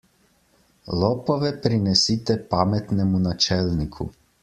Lopove prinesite pametnemu načelniku.